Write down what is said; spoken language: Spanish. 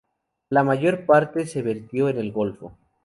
La mayor parte se vertió en el Golfo.